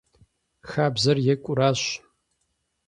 Хабзэр екӀуращ.